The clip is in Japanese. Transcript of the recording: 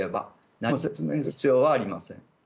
何も説明する必要はありません。